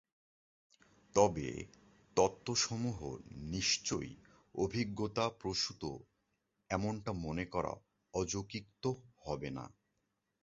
তবে তত্ত্বসমূহ নিশ্চয়ই অভিজ্ঞতা প্রসূত- এমনটা মনে করা অযৌক্তিক হবে না।